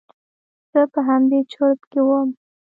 زه په همدې چورت کښې وم.